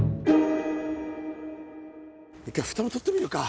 一回蓋も取ってみるか。